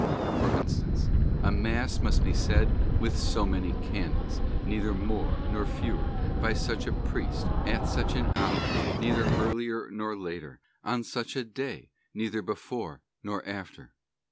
For instance a Mass must be said with so many candles, neither more nor fewer ; by such a priest, at such an hour, neither earlier nor later; on such a day, neither before SUPERSTITIOUS RITES AND OBSERVANCES. 313 nor after.